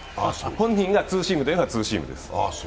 本人がツーシームといえばツーシームです。